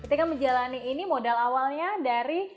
ketika menjalani ini modal awalnya dari